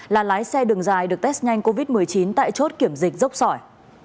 là lái xe đường dài được test nhanh covid một mươi chín tại chốt kiểm dịch dốc sỏi